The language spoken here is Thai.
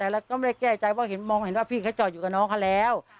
แต่ละก็ไม่ได้แก้ใจว่าเห็นมองเห็นว่าพี่เคยจอดอยู่กับน้องเก่าแล้ว